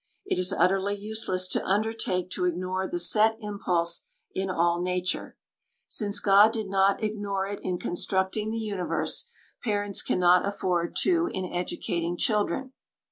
It is utterly useless to undertake to ignore the set impulse in all nature. Since God did not ignore it in constructing the universe, parents cannot afford to in educating children.